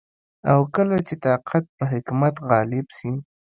او کله چي طاقت په حکمت غالب سي